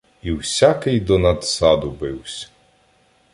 І всякий до надсаду бивсь.